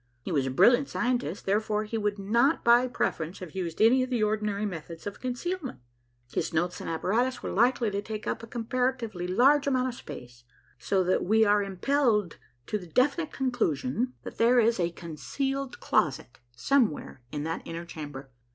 He was a brilliant scientist, therefore he would not by preference have used any of the ordinary methods of concealment. His notes and apparatus were likely to take up a comparatively large amount of space, so that we are impelled to the definite conclusion that there is a concealed closet somewhere in that inner chamber.